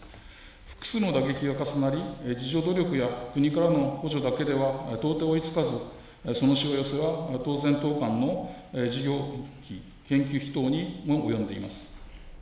複数の打撃が重なり、自助努力や国からの補助だけでは到底追いつかず、そのしわ寄せは当然、当館の事業費・研究費等にも及んでいます。